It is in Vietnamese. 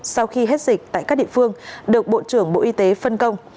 sau khi hết dịch tại các địa phương được bộ trưởng bộ y tế phân công